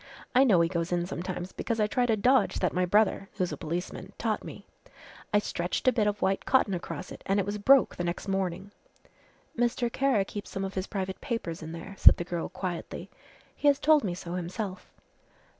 I know he goes in sometimes because I tried a dodge that my brother who's a policeman taught me. I stretched a bit of white cotton across it an' it was broke the next morning." "Mr. Kara keeps some of his private papers in there," said the girl quietly, "he has told me so himself."